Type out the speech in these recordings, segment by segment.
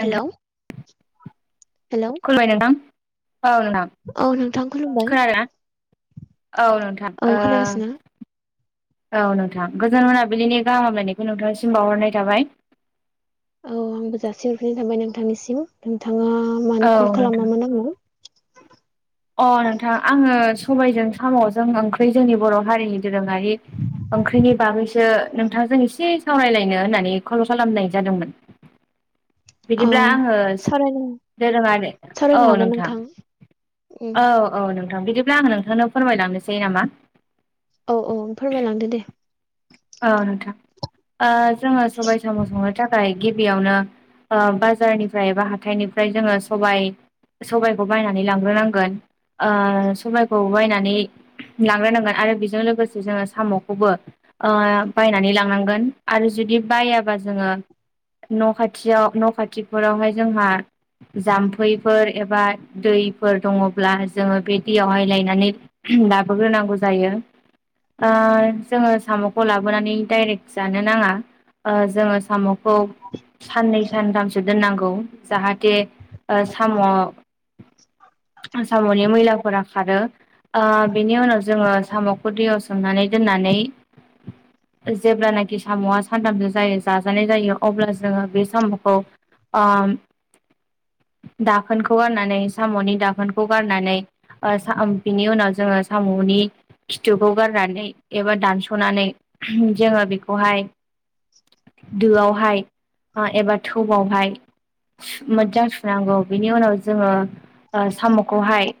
नोंथां हेल'। खुलुमबाय नोंथां औ नोंथां। औ नोंथां खुलुमबाय' खोनादों ना औ नोंथां। औ ओ खोनागासिनो औ नोंथां गोजोन मोनाबिलिनि गाहाम हामलायनायखौ नोंथांनिसिम बावहरनाय थाबाय। औ आंबो जासि हरफिनाय थाबाय नोंथांनिसिम नोंथाङा औ मानो कल नोंथां खालामामोन आंनो? अ' नोंथां आङो सबायजों साम'जों ओंख्रि जोंनि बर' हारिनि दोरोंङारि ओंख्रिनि बागैसो नोंथांजों एसे सावरायलायनो होननानै कल' खालामनाय जादोंमोन। ओ बिदिब्ला आंङो सावरायनो दोरों आरो ओ सावरायनो हागोन नोंथां। औ उम औ नोंथां बिदिब्ला आं नोंथांनो फोरमायलांनोसै नामा। औ औ फोरमायलांदो दे। औ नोंथां जोङो सबाय साम' संनो थाखाय गिबियावनो। बाजारनिफ्राय बा हाथाइनिफ्राय जोंङो सबाय। सबायखौ बायनानै लांग्रोनांगोन ओ सबायखौ बायनानै। लांग्रोनांगोन आरो बेजों लोगोसे जोंङो साम'खौबो। बायनानै लांनांगोन आरो जुदि बायाबा जोंङो न' खाथियाव न' खाथिफोरावहाय जोंहा जाम्फैफोर एबा दैफोर दङब्ला जोङो बे दैयावहाय लायनानै लाबोग्रोनांगौ जायो ओ जोंङो साम'खौ लाबोनानै डरेक् जानो नाङा जोंङो साम' खौ साननै सानथामसो दोननांगौ जाहाथे ओ साम' सामनि मैलाफोरा खारो ओ बेनि उनाव जोंङो साम'खौ दैयाव सोमनानै दोननानै। जेब्लानाखि साम'आ सानथामस जायो जाजानाय जायो अब्ला जोंङो बे साम'खौ। ओ दाखोनखौ गारनानै साम'नि दाखोनखौ गारनानै। ओ बिनि उनाव जोंङो साम'नि फिथुखौ गारनानै एबा दानस। थुनानै जोंङो बेखौहाय दोआवहाय। एबा थौ यावहाय। मोजां सुनांगौ बिनि उनाव जोंङो साम'खौहाय।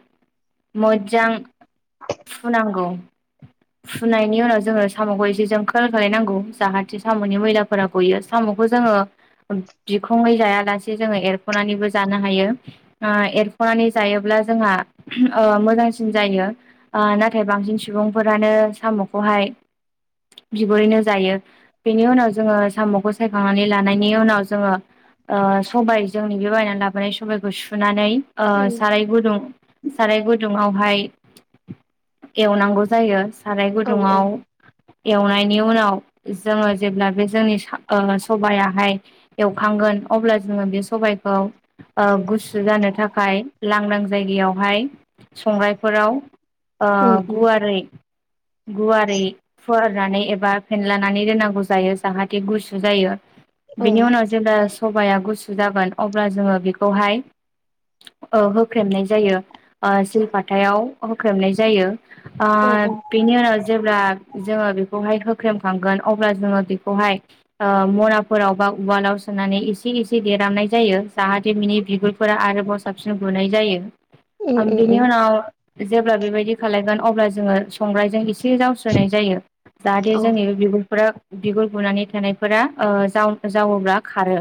मोजां फु नांगौ फुनायनि उनाव। जोङो साम'खौ एसे जों खोल खालायनांगौ जाहाथे साम'नि मैलाफोरा गयो साम'खौ जोङो। बिखंङै जायालासे जोंङो एरख'नानैबो जानो हायो। एरफ'नानै जायोब्ला जोंहा ओ मोजांसिन जायो। ओ नाथाय बांसिन सुबुंफोरानो साम'खौहाय। बिगुरैनो जायो बेनि उनाव जोंङो साम'खौ सायखांनानै लानायनि उनाव जोंङो। ओ सबाय जोंनि बे बायनानै लाबोनाय सबायखौ। सुनानै ओ उम साराय गुदुं। साराय गुदुङावहाय एवनांगौ जायो साराय औ औ गुदुंङाव। एवनायनि उनाव जोंङो जेब्ला बे जोंनि सबायाहाय। एवखांगोन अब्ला जोंङो बे सबायखौ। ओ गुसु जानो थाखाय लांदां जायगायावहाय। संग्रफोराव ओ उम उम गुवारै गुवारै। फुवारनानै एबा फेनलानानै दोननांगौ जायो जाहाथे गुसु जायो औ बेनि उनाव। जेब्ला सबाया गुसु जागोन अब्ला जोंङो बेखौहाय। होख्रेमनाय जायो सिलपाथायाव होख्रेमनाय जायो। आ उम उम बिनि उनाव जेबोब्ला। जोङो बेखौहाय होख्रेमखांगोन अब्ला जोङो बेखौहाय। मनाफोराव बा उवालाव सोनानै एसे एसे देरहामनाय जायो जाहाथे बिनि बिगुर फोर आरोबाव साबसिन गुनाय उम जायो। बिनि उम उनाव जेब्ला बेबायदि खालायगोन अब्ला जोङो संग्रायजों एसे जाव होनाय जायो जाहाथे औ जोंनि बे बिब'फोरा बिगुर बुनानै थानायफोरा जावोब्ला खारो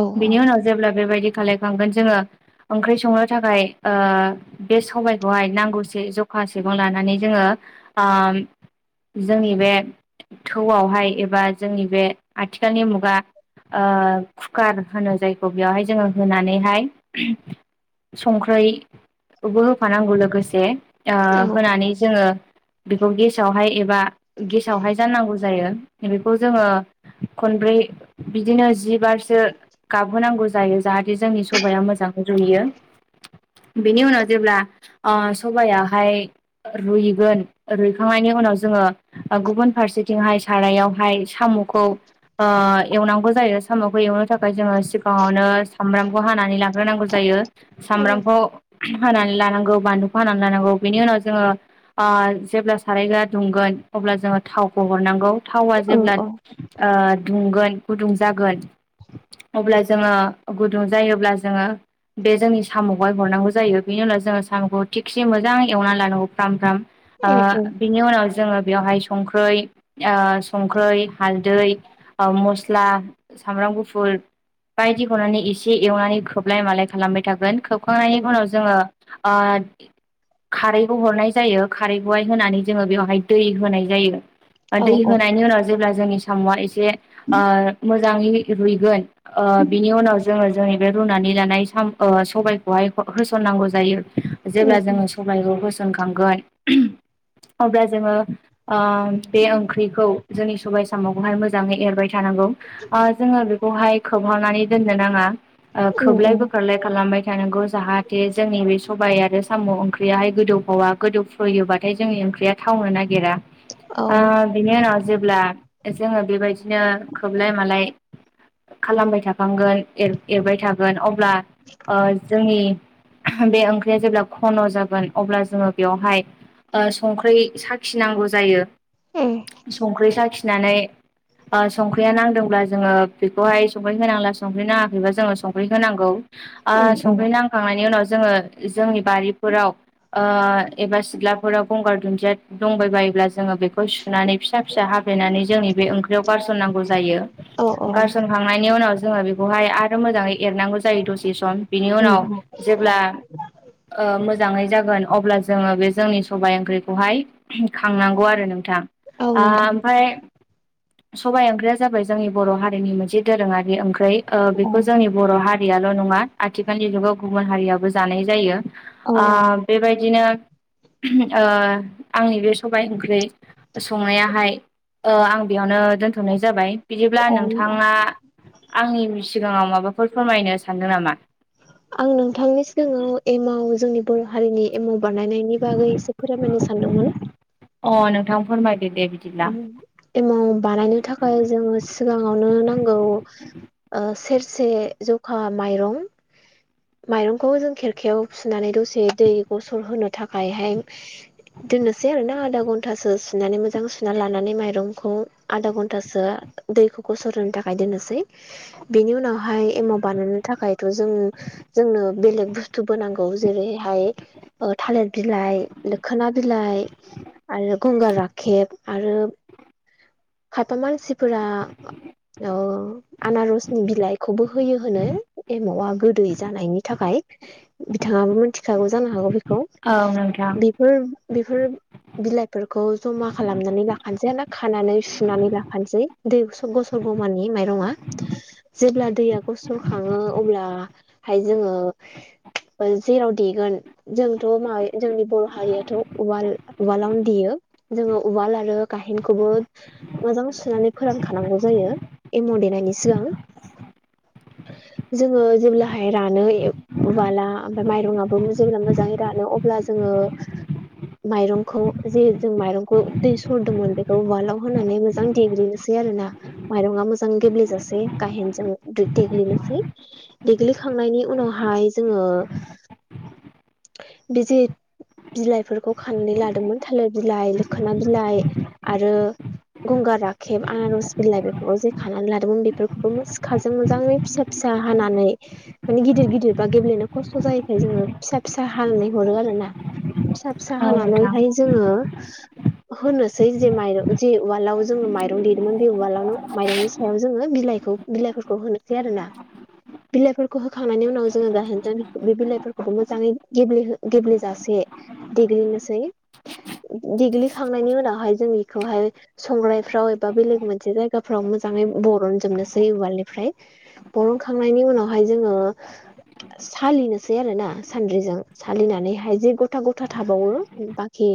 औ बेनि उनाव। जेब्ला बेबायदि खालायखांगोन जोंङो ओंख्रि संनो थाखाय ओ। बे सबायखौहाय नांगौसे जखा सिग लानानै जोङो। जोंनि बे थौआवहाय एबा जोंनि बे आथिखालनि मुगा। ओ कुकार होनो जायखौ बेवहाय जोङो होनानैहाय संख्रै बो होफानांगौ लोगोसे। औ होनानै जोङो बेखौ गेस सावहाय एबा गेसावहाय जानांगौ जायो बेखौ जोङो खनब्रै बिदिनो जिबारसो गाबहोनांगौ जायो। जाहाथे जोंनि सबाया मोजां रुयो। बेनि उनाव जेब्ला सबयावहाय रुइगोन रुइ खांनायनि उनाव जोङो गुबुन फारसेथिंहाय सारायावहाय साम'खौ एवनांगौ जायो साम'खौ एवनो थाखाय जोङो सिगाङावनो सामब्रामखौ हानानै लाग्रोनांगौ जायो। उम सामब्रामखौ हानानै लानांगौ बानलुखौ हानानै लानांगौ बेनि उनाव जोङो जेब्ला सारायगा दुंगोन अब्ला जोङो थावखौ हरनांगौ थावा औ जेब्ला गुदुंगोन गुदुं जागोन अब्ला जोङो गुदुं जायोब्ला जोङो बे जोंनि साम' बहाय हरनांगौ जायो बेनि उनाव जोङो साम'खौ थिखसे मोजां एवनानै लानांगौ फ्राम फ्राम उम आ उम बेनि उनाव जोङो बेवहाय संखै संख्रै हालदै मस्ला सामब्राम गुफुर बायदि हनानै एसे एवनानै खोबलाय मालाय खालामबाय थागोन हखांनायनि उम उनाव जोङो खारैखौ हरनाय जायो खारैखौहाय होनानै जोङो बेवहाय दै होनाय जायो। ओ दै औ औ होनायनि उनाव जेब्ला जोंनि साम'आ एसे ओ मोजाङै रुइगोन ओ बिनि उनाव जोङो जोंनि बे रुनानै लानाय साम- सबायखौहाय होसननांगौ जायो। उम जेब्ला जोङो सबायखौ होसनखांगोन अब्ला जोङो बे ओंख्रिखौ जोंनि सबाय सामावखौहाय मोजाङै एरबाय थानांगौ जोङो बेखौहाय खोबहावनानै दोननो नाङा उम खोबलायबो खोबलाय खालामबाय थानांगौ जाहाथे जोंनि बे सबाय आरो साम' ओंख्रियाहाय गोदौफावा गोदौफुयोबा नाथाय जोंनि ओंख्रिया थावनो नागिरा औ उम बेनि उनाव जेब्ला जोङो बेबायदिनो खोबलाय मालाय खालामबाय थाफांगोन एरबाय थागोन अब्ला जोंनि बे ओंख्रिया जेब्ला खन' जागोन अब्ला जोङो बेवहाय ओ संख्रि साखिनांगौ जायो संख्रि साखिनानै संख्रिया नांदोंब्ला जोङो बेखौहाय संख्रि होनांला संख्रि नाङाखैबा जोङो संख्रि होनांगौ। ओ उम उम संख्रि नांखांनायनि उनाव जोङो जोंनि बारिफोराव ओ एबा सिथ्लाफोराव गंगार दुन्दिया दंबायबायोब्ला जोङो बेखौ सनानै फिसा फिसा हाब्लेनानै जोंनि बे ओंख्रि गारनांगौ जायो। औ औ खांनायनि उनाव जोङो बेखौहाय आरो मोजाङै एरनांगौ जायो दसे सम। बिनि उम उनाव उम जेब्ला मोजाङै जागोन अब्ला जोङो बे जोंनि सबाइ ओंख्रिखौहाय खांनांगौ आरो नोंथां औ नोंथां ओमफ्राय सबाय ओंख्रिया जाबाय जोंनि बर' हारिनि मोनसे दोरोङारि ओंख्रि औ बेखौ जोंनि बर' हारियाल' नङा आथिखालनि जुगाव गुबुन हारियाबो जानाय जायो। औ आ औ बेबायदिनो ओ आंनि बे सबाय ओंख्रि संनायाहाय ओ आं बेयावनो दोनथ'नाय जाबाय। बिदिब्ला औ नोंथाङा आंनि सिगाङाव माबाफोर फोरमायनो सानदों नामा आं नोंथांनि सिगाङाव एमाव जोंनि बर' हारिनि एमाव बानायनायनि बागै एसे फोरमायनो सानदोंमोन। अ नोंथां फोरमाय एमाव बानायनो थाखाय जोङो सिगाङावनो नांगौ ओ सेरसे जौखा माइरं माइरंखौ जों खेरखायाव सुनानै दसे दै गसर होनो थाखायहाय दोननोसै आरो ना आधा घन्टासो सुनानै मोजां ‌ ना लानानै माइरंखौ आधा घन्टासो दैखौ गसरहोनो थाखाय दोननोसै बेनि उनावहाय एमाव बानायनो थाखायथ' जों जोंनो बेलेग बुस्थुबो नांगौ जेरैहाय ओ थालिर बिलाइ, लोखोना बिलाइ आरो गंगार राखेब आरो खायफा मानसिफोरा ओ आनारसनि बिलाइखौबो होयो होनो एमावआ गोदै जानायनि थाखाय। बिथाङाबो मिथिखागौ जानो हागौ बेखौ औ नोंथां बि फोर बिफोर बिलाइफोरखौ जमा खालामनानै लाखानोसै ना खानानै सु नानै लाफानसै दै गसरगौमानि माइरंआ जेब्ला दैया गसर खाङो अब्ला हाय जोङो जेराव देगोन जोंथ' माय जोंनि बर' हारियाथ' उवाल उवालावनो देयो। जोङो उवाल आरो गाहेनखौबो मोजां सुनानै फोरानखानांगौ जायो एमाव देनायनि सिगां। जोङो जेब्लाहाय रानो ए उवाला ओमफाय माइरंआबो जेब्ला मोजाङै रानो अब्ला जोङो माइरंखौ जे जों माइरंखौ दै सरदोंमोन बेखौ उवालाव होनानै मो जां देग्लिनोसै आरो ना माइरंआ मोजां गेब्लेेजासे गाहेनजों दे-देग्लिनोसै देग्लिखांनायनि उनावहाय जोङो बि जे बिलाइफोरखौ खानानै लादोंमोन थालिर बिलाइ लोखोना बिलाइ आरो गंगार राखेब आनारस बिलाइ बेफोरखौ जे खानानै लादोंमोन बेफोरखौबो सिखाजों मोजाङै फिसा फिसा हानानै माने गिदिर गिदिरबा गेब्लेनो खस्थ' जायोखाय जोङो फिसा फिसा हानानै हरो आरो ना। फिसा फिसा औ नोंथां होनानैहाय जोङो होनोसै जे माइरं जे उवालाव जोङो माइरं देदोंमोन बे उवालावनो माइरंनि सायाव जोङो बिलाइखौ बिलाइफोरखौ होनोसै आरो ना। बिलाइफोरखौ होखांनायनि उनाव जोङो गाहेन जों बे बिलाइफोरखौबो मोजाङै गेब्ले गेब्लेेजासे देग्लिनोसै देग्लिखांनायनि उनावहाय जों इखौहाय संग्राइफ्राव एबा बेलेग मोनसे जायगाफ्राव मोजाङै बरनजोबनोसै उवालनिफ्राय। बरनखांनायनि उनावहाय जोङो सालिनोसै आरो ना सान्द्रिजों सालिनानैहाय जे गथा गथा थाबावो बाखि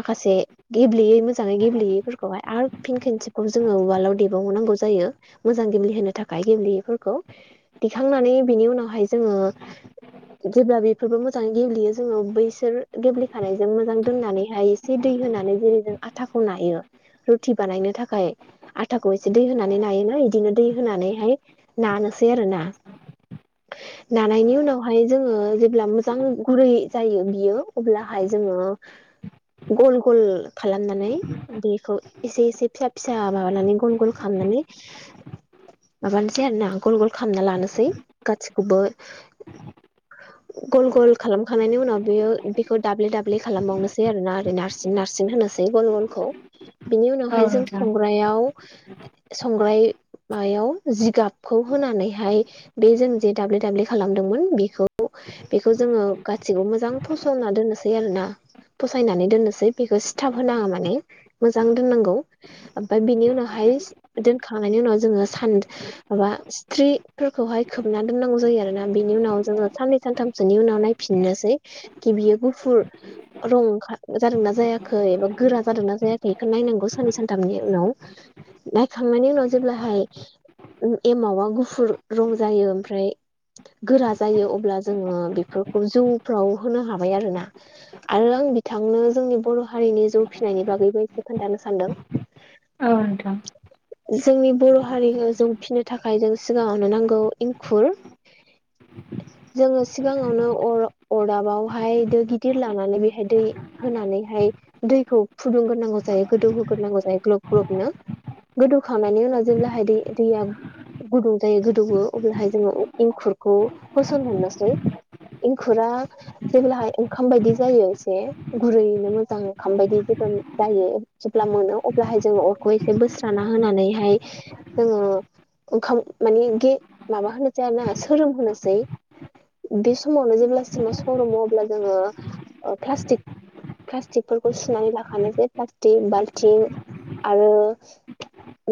माखासे गेब्लेयै मोजाङै गेब्लेयैफोर खौ हाय आरो फिन खनसेखौ जोङो उवालाव देबावनांगौ जायो। मोजां गेब्लेहोनो थाखाय गेब्लेयैफोरखौ देखांनानै बिनि उनावहाय जोङो जेब्ला बेफोरबो मोजाङै गेब्लेयो जोङो बैसोर गेब्लेखानायजों मोजां दोननानैहाय जे दै होनानै जेरै जों आथाखौ नायो रुटि बानायनो थाखाय आथाखौ एसे दै होनानै नायोना बिदिनो दै होनानैहाय नानोसै आरो ना नानायनि उनावहाय जोंङो जेब्ला मोजां गुरै जायो बियो अब्लाहाय जोंङो गल गल खालामनानै बेखौ एसे एसे फिसा फिसा माबानानै गन गल खालामनानै माबानोसै आरो ना गल गल खालामना लानोसै गासिखौबो [inaudible] गल गल खालामखांनायनि उनाव बियो बेखौ दाब्लि दाब्लि खालामबावनोसै आरो ना नार्स नारसिन होनोसै गल गलखौ बिनि उनावहाय औ जों नोंथां संग्रायाव संग्राय मायाव जिगाबखौ होनानैहाय बे जों जे दाब्ले दाब्ले खालामदोंमोन बेखौ बेखौ जोंङो गासिखौबो मोजां फसलना दोननोसै आरोना। फसायनानै दोननोसै बेखौ सिथााब होनांङा माने मोजां दोननांगौ। ओमफफ्राय बिनि उनावहाय दोनखांनायनि उनाव जोंङो सान माबा सथ्रिफोरखौहाय खोबना दोननांगौ जायो आरोना बिनि उनाव जोंङो साननै सानथामसोनि उनाव नाय फिननोसै खि बियो गुफुर रं जादोंना जायाखै एबा गोरा जादोंना जायाखै खौ नायनांगौ साननै सानथामनि उनाव नायखांनायनि उनाव जेब्लाहाय एमावा गुफुर रं जायो ओमफ्राय गोरा जायो अब्ला जोङो बेफोरखौ जौफ्राव होनो हाबाय आरोना आरो आं बिथांनो जोंनि बर' हारिनि जौ फिनायनि बागैबो एसे खोन्थानो सानदों औ नोंथां जोंनि बर' हारिखौ जों फिनो थाखाय जों सिगाङावनो नांगौ एंखुर [inaudible] जोंङो सिगांङावनो अरदाबावहाय दै गिदिर लानानै बेहाय दै होनानैहाय दैखौ फुदुंग्रोनांगौ जायो गोदौहोग्रोनांगौ जायो ग्लब ग्लबनो गोदौखांनायनि उनाव जेब्लाहाय दै दैया गुदुं जायो गोदौवो अब्लाहाय जोंङो इंखुरखौ होसनहरनोसै इंखुरा जेब्लाहाय ओंखाम बायदि जायो एसे गुरैयैनो मोजां ओंखाम बायदि जेबोब्ला जायो जेब्ला मोनो अब्लाहाय जोंङो अरखौ एसे बोस्राना होनानैहाय जोंङो ओंखाम मानेे माबा होनोसै ना सोरोम होनोसै बे समावनो जेब्ला सिमाव सरमो अब्ला जोंङो प्लास्टिक प्लास्टिकफोरखौ सुनानै लाखानो जे प्लास्टिक बाल्थिं आरो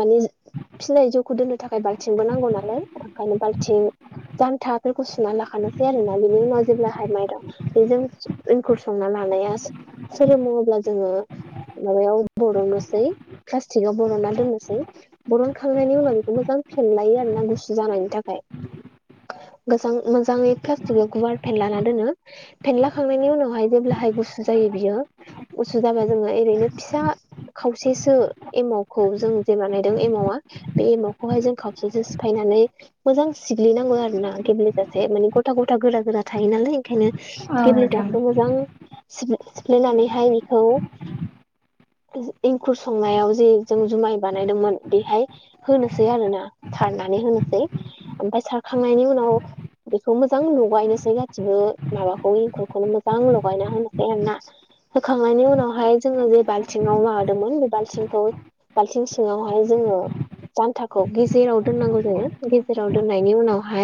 मानि फिसनाय जौखौ दोननो थाखाय बाल्थिंबो नांगौ नालाय ओंखायनो बाल्थिं जान्थाफोरखौ सुना लाखानोसै आरोना बिनि उनाव जेब्लाहाय माइरं बेजों एंखुर संना लानाया सोरोमो अब्ला जोंङो माबायाव बरननोसै प्लास्टिकआव बरनना दोननोसै बरनखांनायनि उनाव बेखौ मोजां फेनलायो आरोना गुसु जानायनि थाखाय मोजां मोजाङै प्लास्टिक गुवार पेनलाना दोनो फेनला खांनायनि उनावहाय जेब्लाहाय गुसु जायो बियो गुसु जाबा जोंङो ओरैनो फिसा खावसेसो एमावखौ जों जेब्ला नायदों एमावआ बे एमाखौहाय जों खावसेजों सिफायनानै मोजां सिग्लिनांगो आरोना गेब्लेेजासे माने गथा गथा गोरा गोरा थायो नालाय ओंखायनो औ नोंथां गेब्लेेजासे मोजां सिफ्लेनानैहाय बेखौ एंखुर संनायाव जे जों जुमाय बानायदोंमोन बेहाय होनोसै आरोना सारनानै होनोसै ओमफाय सारखांनायनि उनाव बेखौ मोजां लगायनोसै गाैबो माबाखौ एंखुरखौनो मोजां लगायना होनोसै आरोना होखांनायनि उनावहाय जोंङो जे बालथिंआव माबादोंमोन बे बाल्थिंखौ बालथिं सिङावहाय जोंङो जान्थाखौ गेजेराव दोननांगौ जायो गेजेराव दोननायनि उनावहाय